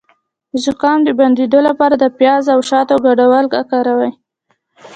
د زکام د بندیدو لپاره د پیاز او شاتو ګډول وکاروئ